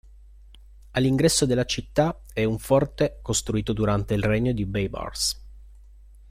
All'ingresso della città è un forte costruito durante il regno di Baybars.